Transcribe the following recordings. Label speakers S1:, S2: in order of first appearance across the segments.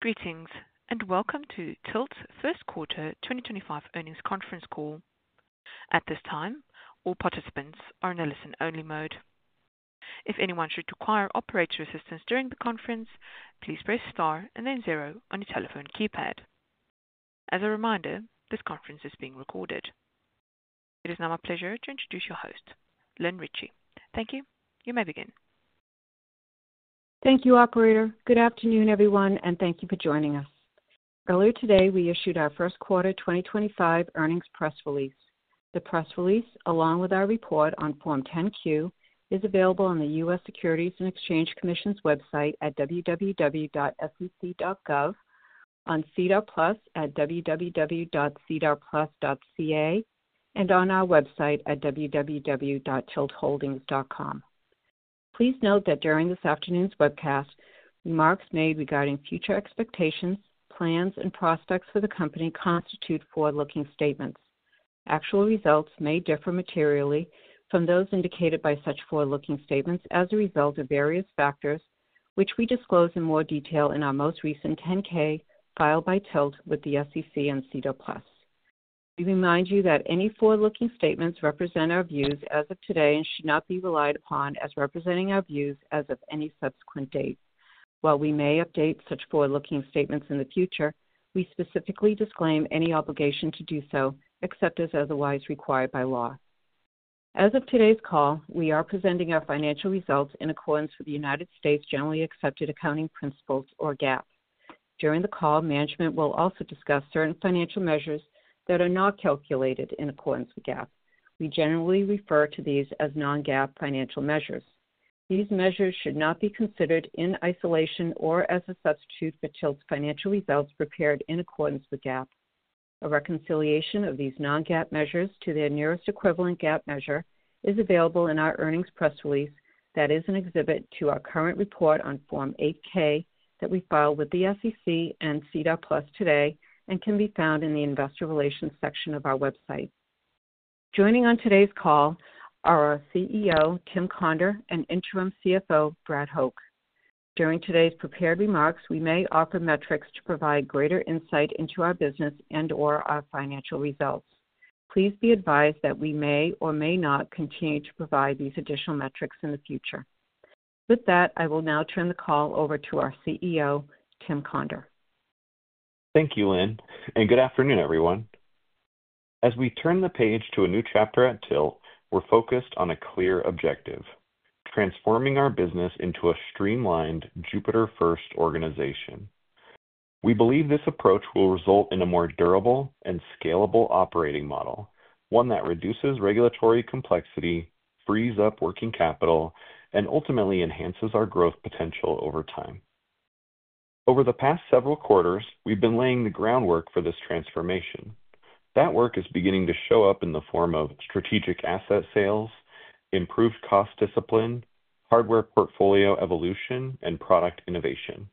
S1: Greetings and welcome to TILT's first quarter 2025 earnings conference call. At this time, all participants are in a listen-only mode. If anyone should require operator assistance during the conference, please press star and then zero on your telephone keypad. As a reminder, this conference is being recorded. It is now my pleasure to introduce your host, Lynn Ricci. Thank you. You may begin.
S2: Thank you, Operator. Good afternoon, everyone, and thank you for joining us. Earlier today, we issued our first quarter 2025 earnings press release. The press release, along with our report on Form 10-Q, is available on the U.S. Securities and Exchange Commission's website at www.sec.gov, on SEDAR+ at www.sedarplus.ca, and on our website at www.tiltholdings.com. Please note that during this afternoon's webcast, remarks made regarding future expectations, plans, and prospects for the company constitute forward-looking statements. Actual results may differ materially from those indicated by such forward-looking statements as a result of various factors, which we disclose in more detail in our most recent 10-K filed by TILT with the SEC and SEDAR+. We remind you that any forward-looking statements represent our views as of today and should not be relied upon as representing our views as of any subsequent date. While we may update such forward-looking statements in the future, we specifically disclaim any obligation to do so except as otherwise required by law. As of today's call, we are presenting our financial results in accordance with the United States Generally Accepted Accounting Principles, or GAAP. During the call, management will also discuss certain financial measures that are not calculated in accordance with GAAP. We generally refer to these as non-GAAP financial measures. These measures should not be considered in isolation or as a substitute for TILT's financial results prepared in accordance with GAAP. A reconciliation of these non-GAAP measures to their nearest equivalent GAAP measure is available in our earnings press release that is an exhibit to our current report on Form 8-K that we filed with the SEC and SEDAR+ today and can be found in the investor relations section of our website. Joining on today's call are our CEO, Tim Conder, and interim CFO, Brad Hoch. During today's prepared remarks, we may offer metrics to provide greater insight into our business and/or our financial results. Please be advised that we may or may not continue to provide these additional metrics in the future. With that, I will now turn the call over to our CEO, Tim Conder.
S3: Thank you, Lynn, and good afternoon, everyone. As we turn the page to a new chapter at TILT, we're focused on a clear objective: transforming our business into a streamlined, Jupiter-first organization. We believe this approach will result in a more durable and scalable operating model, one that reduces regulatory complexity, frees up working capital, and ultimately enhances our growth potential over time. Over the past several quarters, we've been laying the groundwork for this transformation. That work is beginning to show up in the form of strategic asset sales, improved cost discipline, hardware portfolio evolution, and product innovation.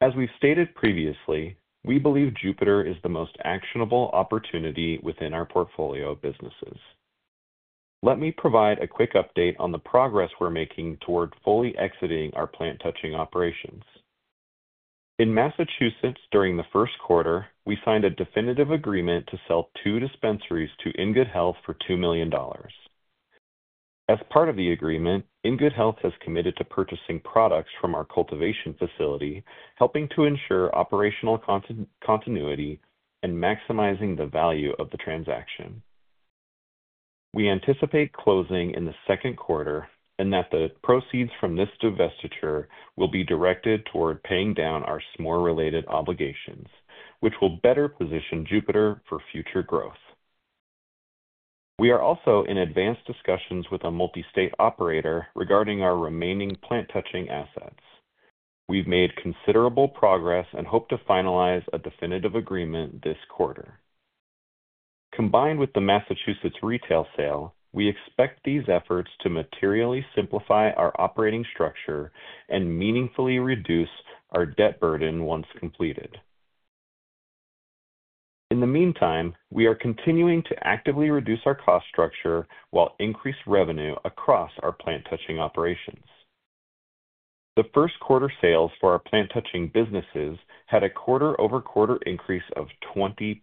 S3: As we've stated previously, we believe Jupiter is the most actionable opportunity within our portfolio of businesses. Let me provide a quick update on the progress we're making toward fully exiting our plant-touching operations. In Massachusetts, during the first quarter, we signed a definitive agreement to sell two dispensaries to In Good Health for $2 million. As part of the agreement, In Good Health has committed to purchasing products from our cultivation facility, helping to ensure operational continuity and maximizing the value of the transaction. We anticipate closing in the second quarter and that the proceeds from this divestiture will be directed toward paying down our Smoore-related obligations, which will better position Jupiter for future growth. We are also in advanced discussions with a multi-state operator regarding our remaining plant-touching assets. We've made considerable progress and hope to finalize a definitive agreement this quarter. Combined with the Massachusetts retail sale, we expect these efforts to materially simplify our operating structure and meaningfully reduce our debt burden once completed. In the meantime, we are continuing to actively reduce our cost structure while increasing revenue across our plant-touching operations. The first quarter sales for our plant-touching businesses had a quarter-over-quarter increase of 20%.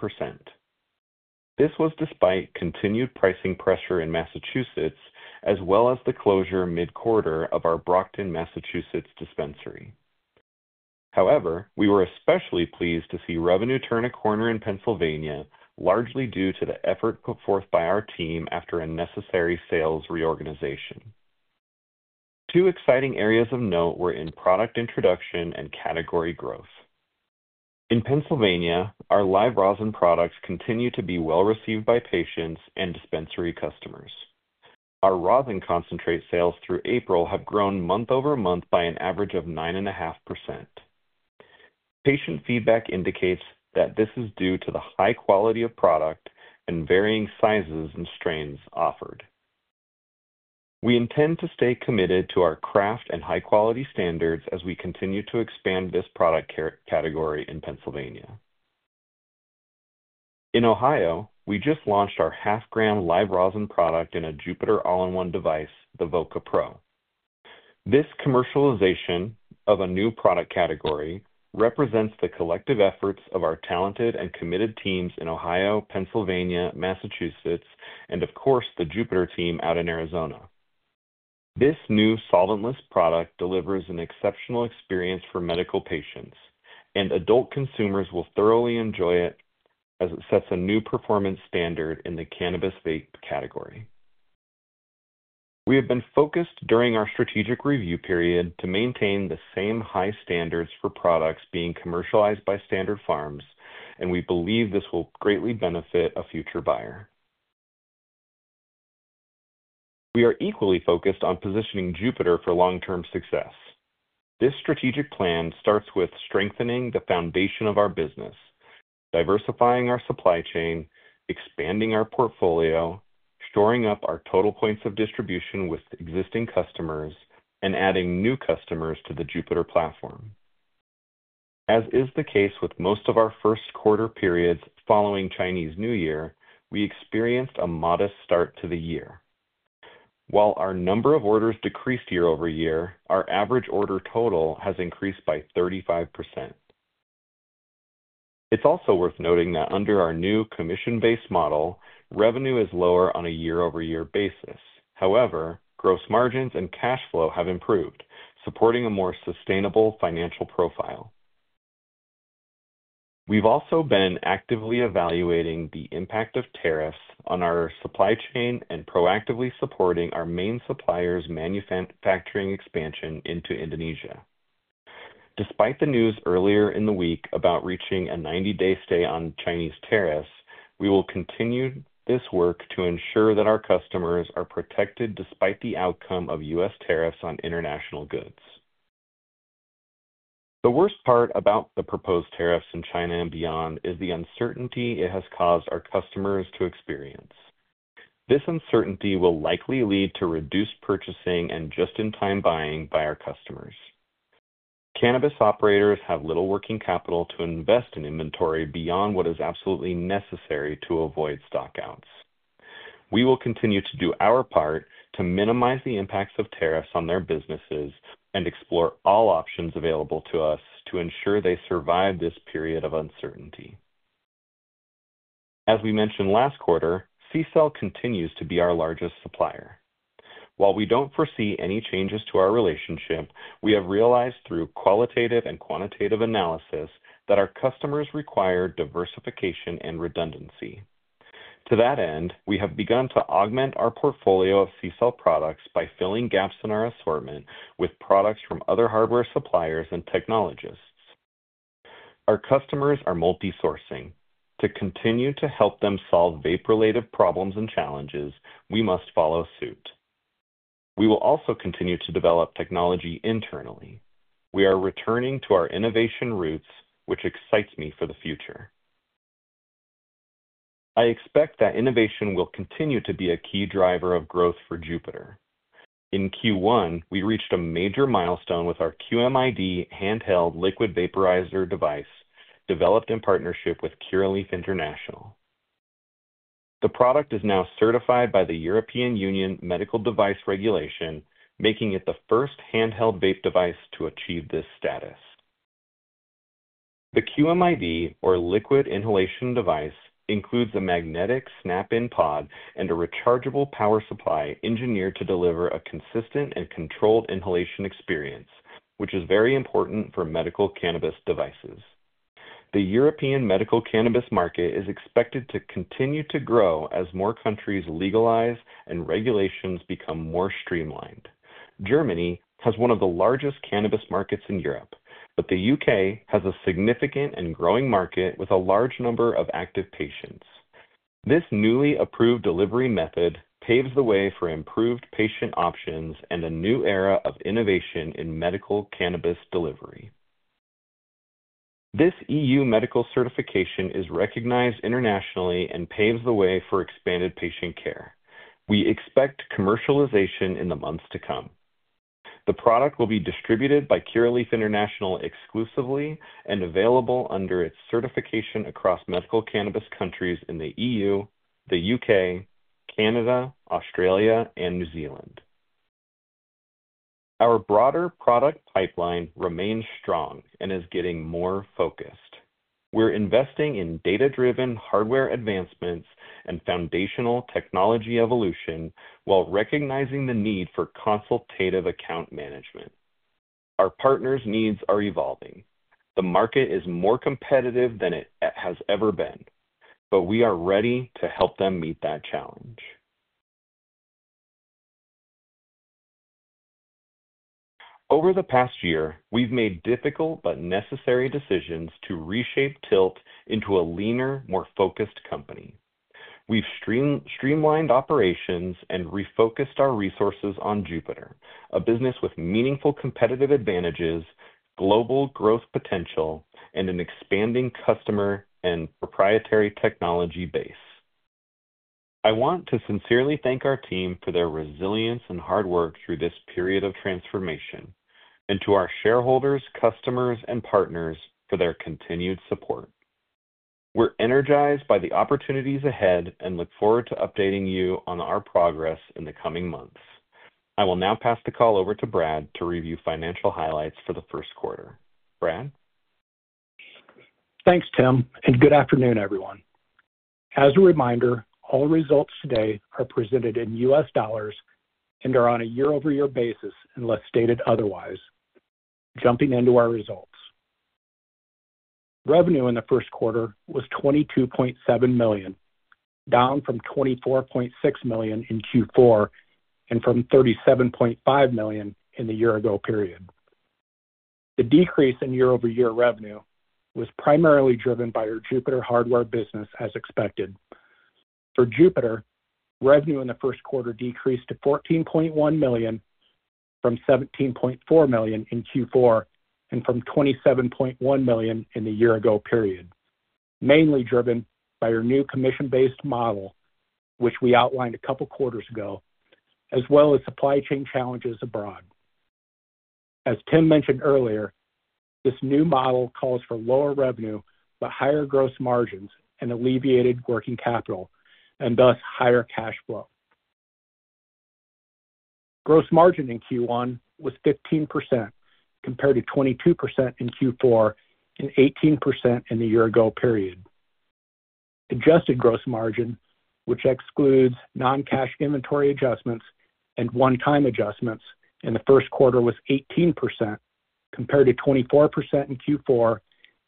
S3: This was despite continued pricing pressure in Massachusetts, as well as the closure mid-quarter of our Brockton, Massachusetts dispensary. However, we were especially pleased to see revenue turn a corner in Pennsylvania, largely due to the effort put forth by our team after a necessary sales reorganization. Two exciting areas of note were in product introduction and category growth. In Pennsylvania, our live rosin products continue to be well received by patients and dispensary customers. Our rosin concentrate sales through April have grown month-over-month by an average of 9.5%. Patient feedback indicates that this is due to the high quality of product and varying sizes and strains offered. We intend to stay committed to our craft and high-quality standards as we continue to expand this product category in Pennsylvania. In Ohio, we just launched our half-gram live rosin product in a Jupiter all-in-one device, the Voca Pro. This commercialization of a new product category represents the collective efforts of our talented and committed teams in Ohio, Pennsylvania, Massachusetts, and of course, the Jupiter team out in Arizona. This new solventless product delivers an exceptional experience for medical patients, and adult consumers will thoroughly enjoy it as it sets a new performance standard in the cannabis vape category. We have been focused during our strategic review period to maintain the same high standards for products being commercialized by Standard Farms, and we believe this will greatly benefit a future buyer. We are equally focused on positioning Jupiter for long-term success. This strategic plan starts with strengthening the foundation of our business, diversifying our supply chain, expanding our portfolio, shoring up our total points of distribution with existing customers, and adding new customers to the Jupiter platform. As is the case with most of our first quarter periods following Chinese New Year, we experienced a modest start to the year. While our number of orders decreased year-over-year, our average order total has increased by 35%. It's also worth noting that under our new commission-based model, revenue is lower on a year-over-year basis. However, gross margins and cash flow have improved, supporting a more sustainable financial profile. We've also been actively evaluating the impact of tariffs on our supply chain and proactively supporting our main supplier's manufacturing expansion into Indonesia. Despite the news earlier in the week about reaching a 90-day stay on Chinese tariffs, we will continue this work to ensure that our customers are protected despite the outcome of U.S. tariffs on international goods. The worst part about the proposed tariffs in China and beyond is the uncertainty it has caused our customers to experience. This uncertainty will likely lead to reduced purchasing and just-in-time buying by our customers. Cannabis operators have little working capital to invest in inventory beyond what is absolutely necessary to avoid stockouts. We will continue to do our part to minimize the impacts of tariffs on their businesses and explore all options available to us to ensure they survive this period of uncertainty. As we mentioned last quarter, CCELL continues to be our largest supplier. While we don't foresee any changes to our relationship, we have realized through qualitative and quantitative analysis that our customers require diversification and redundancy. To that end, we have begun to augment our portfolio of CCELL products by filling gaps in our assortment with products from other hardware suppliers and technologists. Our customers are multi-sourcing. To continue to help them solve vape-related problems and challenges, we must follow suit. We will also continue to develop technology internally. We are returning to our innovation roots, which excites me for the future. I expect that innovation will continue to be a key driver of growth for Jupiter. In Q1, we reached a major milestone with our QMID handheld liquid vaporizer device developed in partnership with Curaleaf International. The product is now certified by the European Union Medical Device Regulation, making it the first handheld vape device to achieve this status. The QMID, or liquid inhalation device, includes a magnetic snap-in pod and a rechargeable power supply engineered to deliver a consistent and controlled inhalation experience, which is very important for medical cannabis devices. The European medical cannabis market is expected to continue to grow as more countries legalize and regulations become more streamlined. Germany has one of the largest cannabis markets in Europe, but the U.K. has a significant and growing market with a large number of active patients. This newly approved delivery method paves the way for improved patient options and a new era of innovation in medical cannabis delivery. This EU medical certification is recognized internationally and paves the way for expanded patient care. We expect commercialization in the months to come. The product will be distributed by Curaleaf International exclusively and available under its certification across medical cannabis countries in the EU, the U.K., Canada, Australia, and New Zealand. Our broader product pipeline remains strong and is getting more focused. We're investing in data-driven hardware advancements and foundational technology evolution while recognizing the need for consultative account management. Our partners' needs are evolving. The market is more competitive than it has ever been, but we are ready to help them meet that challenge. Over the past year, we've made difficult but necessary decisions to reshape TILT into a leaner, more focused company. We've streamlined operations and refocused our resources on Jupiter, a business with meaningful competitive advantages, global growth potential, and an expanding customer and proprietary technology base. I want to sincerely thank our team for their resilience and hard work through this period of transformation, and to our shareholders, customers, and partners for their continued support. We're energized by the opportunities ahead and look forward to updating you on our progress in the coming months. I will now pass the call over to Brad to review financial highlights for the first quarter. Brad?
S4: Thanks, Tim, and good afternoon, everyone. As a reminder, all results today are presented in US dollars and are on a year-over-year basis unless stated otherwise. Jumping into our results, revenue in the first quarter was $22.7 million, down from $24.6 million in Q4 and from $37.5 million in the year-ago period. The decrease in year-over-year revenue was primarily driven by our Jupiter hardware business, as expected. For Jupiter, revenue in the first quarter decreased to $14.1 million from $17.4 million in Q4 and from $27.1 million in the year-ago period, mainly driven by our new commission-based model, which we outlined a couple of quarters ago, as well as supply chain challenges abroad. As Tim mentioned earlier, this new model calls for lower revenue but higher gross margins and alleviated working capital, and thus higher cash flow. Gross margin in Q1 was 15% compared to 22% in Q4 and 18% in the year-ago period. Adjusted gross margin, which excludes non-cash inventory adjustments and one-time adjustments in the first quarter, was 18% compared to 24% in Q4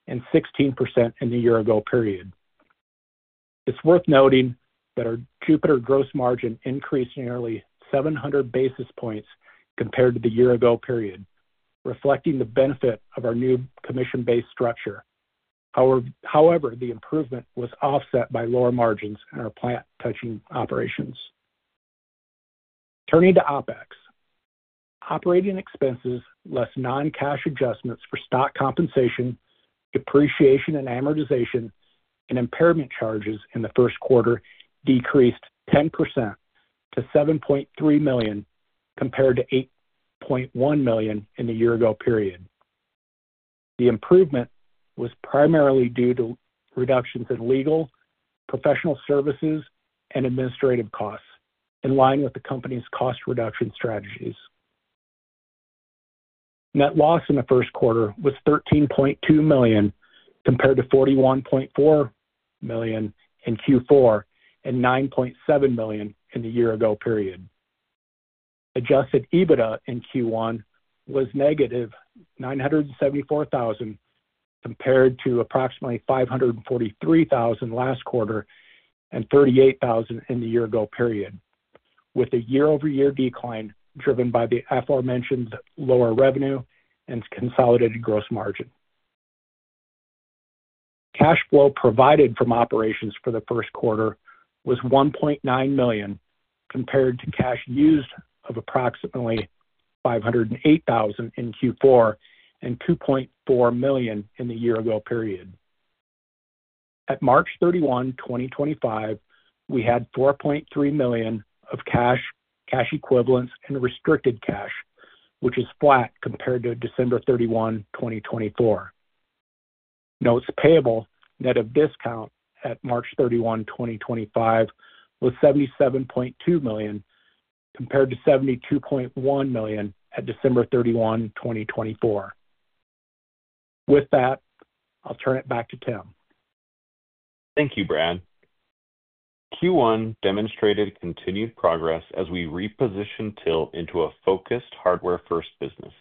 S4: and 16% in the year-ago period. It's worth noting that our Jupiter gross margin increased nearly 700 basis points compared to the year-ago period, reflecting the benefit of our new commission-based structure. However, the improvement was offset by lower margins in our plant-touching operations. Turning to OpEx, operating expenses less non-cash adjustments for stock compensation, depreciation, and amortization and impairment charges in the first quarter decreased 10% to $7.3 million compared to $8.1 million in the year-ago period. The improvement was primarily due to reductions in legal, professional services, and administrative costs, in line with the company's cost reduction strategies. Net loss in the first quarter was $13.2 million compared to $41.4 million in Q4 and $9.7 million in the year-ago period. Adjusted EBITDA in Q1 was -$974,000 compared to approximately $543,000 last quarter and $38,000 in the year-ago period, with a year-over-year decline driven by the aforementioned lower revenue and consolidated gross margin. Cash flow provided from operations for the first quarter was $1.9 million compared to cash used of approximately $508,000 in Q4 and $2.4 million in the year-ago period. At March 31, 2025, we had $4.3 million of cash, cash equivalents, and restricted cash, which is flat compared to December 31, 2024. Notes payable net of discount at March 31, 2025, was $77.2 million compared to $72.1 million at December 31, 2024. With that, I'll turn it back to Tim.
S3: Thank you, Brad. Q1 demonstrated continued progress as we repositioned TILT into a focused hardware-first business.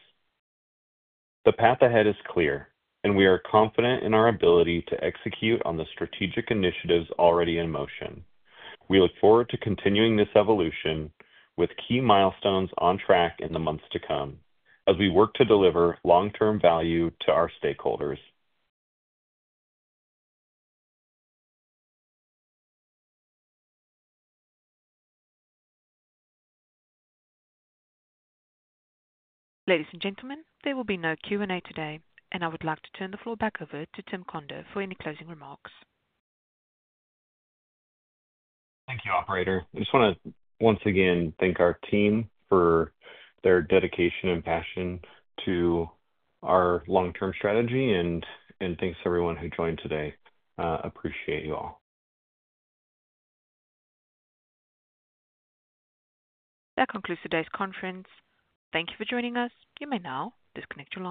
S3: The path ahead is clear, and we are confident in our ability to execute on the strategic initiatives already in motion. We look forward to continuing this evolution with key milestones on track in the months to come as we work to deliver long-term value to our stakeholders.
S1: Ladies and gentlemen, there will be no Q&A today, and I would like to turn the floor back over to Tim Conder for any closing remarks.
S3: Thank you, Operator. I just want to once again thank our team for their dedication and passion to our long-term strategy, and thanks to everyone who joined today. Appreciate you all.
S1: That concludes today's conference. Thank you for joining us. You may now disconnect the line.